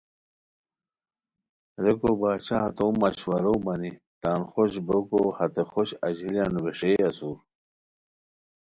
ریکو باچھا ہتو مشورو مانی، تان خوش بوکو ہتے خوش اژیلیان ویݰے اسور